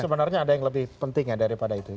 sebenarnya ada yang lebih penting ya daripada itu